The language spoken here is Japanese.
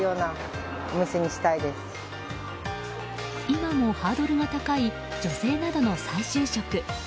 今もハードルが高い女性などの再就職。